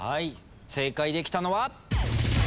正解できたのは。